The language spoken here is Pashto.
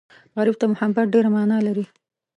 غریب ته محبت ډېره مانا لري